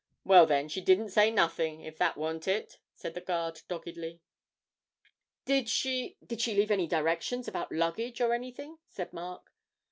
'Well, then, she didn't say nothing, if that warn't it,' said the guard, doggedly. 'Did she did she leave any directions about luggage or anything?' said Mark.